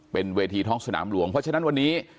เป็นเวทีท้องสนามหลวงเพราะฉะนั้นวันนี้